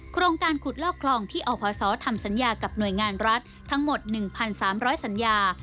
โครงการขุดลอกคลองที่อพศทำสัญญากับหน่วยงานรัฐทั้งหมด๑๓๐๐สัญญา